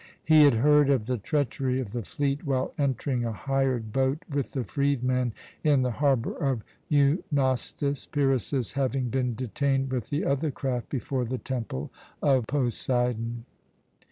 He had heard of the treachery of the fleet while entering a hired boat with the freedman in the harbour of Eunostus, Pyrrhus's having been detained with the other craft before the Temple of Poseidon.